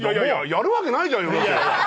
やるわけないじゃん。